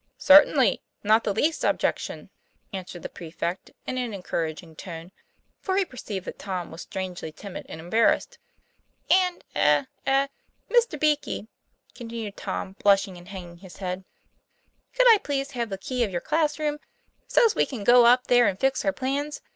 ''Certainly, not the least objection," answered the prefect, in an encouraging tone; for he per ceived that Tom was strangely timid and embar rassed. "And eh eh, Mr. Beakey," continued Tom, blushing and hanging his head, "could I please TOM PLAYFAIR. 183 have the key of your class room, so's we can go up there and fix our plans?